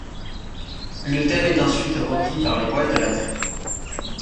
Le thème est ensuite repris par les poètes latins.